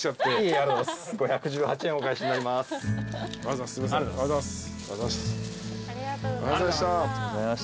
ありがとうございます。